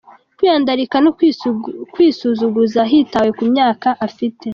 Kwiyandarika no kwisusuguza hatitawe ku myaka afite.